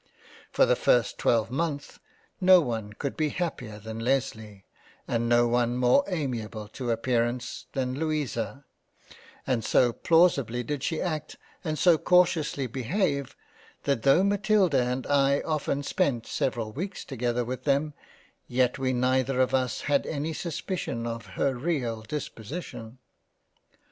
For the first twelvemonth, no one could be happier than Lesley, and no one more amiable to appearance than Louisa, and so plaus ibly did she act and so cautiously behave that tho' Matilda and I often spent several weeks together with them, yet we neither of us had any suspicion of her real Disposition.